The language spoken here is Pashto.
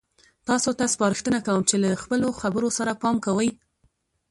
تاسو ته سپارښتنه کوم چې له خپلو خبرو سره پام کوئ.